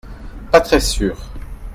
Pas très sûr.